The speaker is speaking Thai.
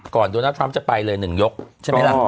ก่อนโดนาทรัมป์จะไปเลยหนึ่งยกใช่ไหมล่ะ